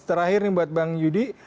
terakhir nih buat bang yudi